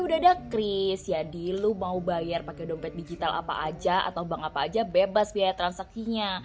udah chris yadi lu mau bayar pakai dompet digital apa aja atau bang apa aja bebas biaya transaktinya